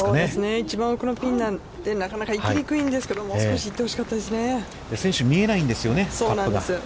一番奥のピンなんで、なかなか行きにくいんですけど、もう少し行ってほしかったですよね。